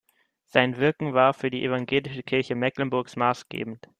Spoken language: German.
Sein Wirken war für die Evangelische Kirche Mecklenburgs maßgebend.